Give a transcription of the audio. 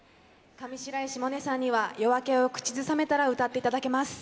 上白石萌音さんには「夜明けを口ずさめたら」を歌っていただきます。